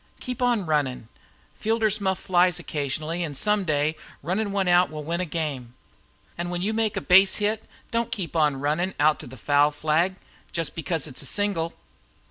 Keep on runnin'. Fielders muff flies occasionally, an' some day runnin' one out will win a game. An' when you make a base hit, don't keep on runnin' out to the foul flag just because it's a single.